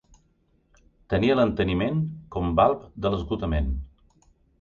Tenia l'enteniment com balb de l'esgotament.